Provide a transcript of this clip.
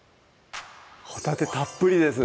ほたてたっぷりですね